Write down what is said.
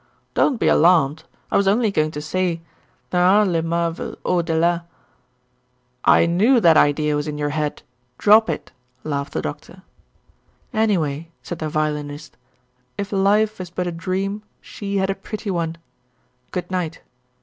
"Don't be alarmed. I was only going to say there are Ik Marvels au dela " "I knew that idea was in your head. Drop it!" laughed the Doctor. "Anyway," said the Violinist, "if Life is but a dream, she had a pretty one. Good night."